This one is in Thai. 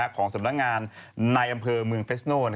ของสำนักงานในอำเภอเมืองเฟสโน่